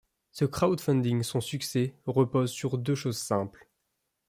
Ce crowdfunding, son succès, reposent sur deux choses simples.